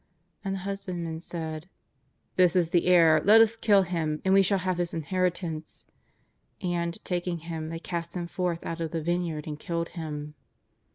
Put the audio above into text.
And the husbandmen said :" This is the heir, let us kill him and we shall have his in heritance." And, taking him, they cast him forth out of the vineyard and killed him.